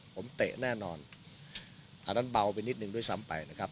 ผมเตะแน่นอนอันนั้นเบาไปนิดนึงด้วยซ้ำไปนะครับ